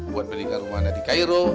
buat belikan rumahnya di cairo